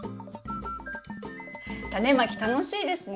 タネまき楽しいですね！